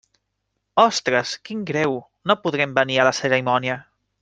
Ostres, quin greu, no podrem venir a la cerimònia.